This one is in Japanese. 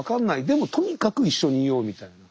でもとにかく一緒にいようみたいな。